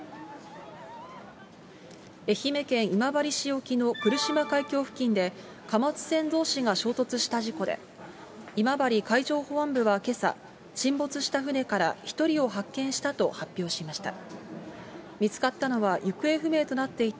愛媛県今治市沖の来島海峡付近で、貨物船どうしが衝突した事故で、今治海上保安部はけさ、沈没した船から１人を発見したと発表しました。